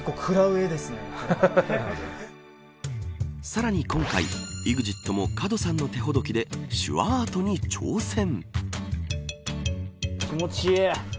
さらに今回ＥＸＩＴも門さんの手ほどきで手話アートに挑戦。